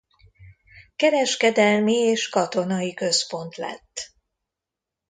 Kereskedelmi és katonai központ lett.